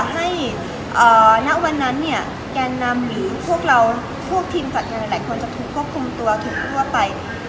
ให้ณวันนั้นเนี่ยแกนนำหรือพวกเราพวกทีมจัดงานหลายคนจะถูกควบคุมตัวถูกทั่วไป